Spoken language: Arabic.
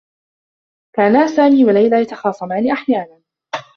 كانا سامي و ليلى يتخاصمان أحيانا.